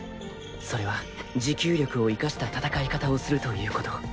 それは持久力を活かした戦い方をするということ。